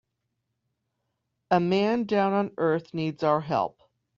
A man down on earth needs our help.